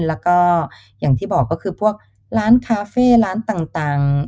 แล้วก็อย่างที่บอกก็คือพวกร้านคาเฟ่ร้านต่าง